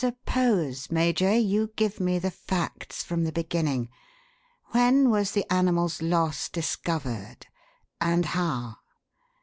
Suppose, Major, you give me the facts from the beginning. When was the animal's loss discovered and how?